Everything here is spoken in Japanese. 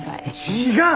違う！